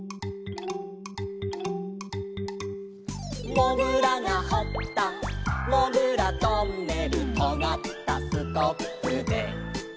「もぐらがほったもぐらトンネル」「とがったスコップで」